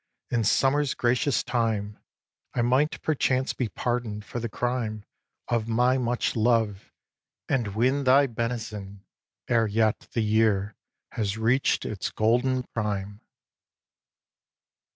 in summer's gracious time, I might perchance be pardon'd for the crime Of my much love, and win thy benison Ere yet the year has reached its golden prime!